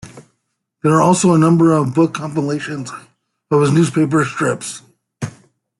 There are also a number of book compilations of his newspapers' strips.